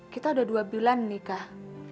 kita udah dua bulan nikah